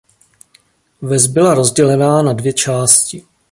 Ves byla rozdělená na dvě části.